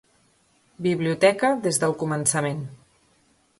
Biblioteca des del començament.